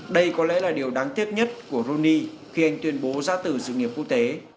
đây có lẽ là điều đáng tiếc nhất của weiruni khi anh tuyên bố ra từ dự nghiệp quốc tế